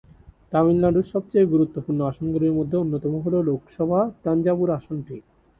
তামিলনাড়ুর সবচেয়ে গুরুত্বপূর্ণ আসনগুলির মধ্যে অন্যতম হল লোকসভা তাঞ্জাবুর আসনটি।